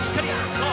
そう！」。